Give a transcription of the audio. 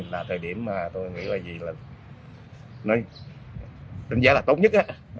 là thời điểm mà tôi nghĩ là gì là đúng giá là tốt nhất